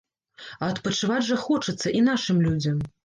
А адпачываць жа хочацца і нашым людзям.